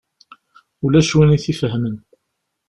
Ulac win i t-ifehmen.